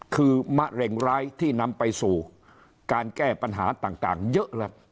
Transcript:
คือมะเร็งร้ายที่นำไปสู่การแก้ปัญหาต่างเยอะแล้ว